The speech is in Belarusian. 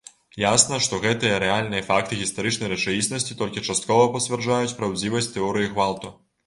Ясна, што гэтыя рэальныя факты гістарычнай рэчаіснасці толькі часткова пацвярджаюць праўдзівасць тэорыі гвалту.